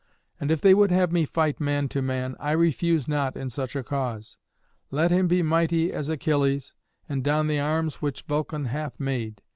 And if they would have me fight man to man, I refuse not in such a cause. Let him be mighty as Achilles, and don the arms which Vulcan hath made.